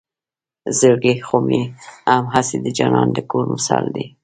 زړګے خو مې هم هسې د جانان د کور مثال دے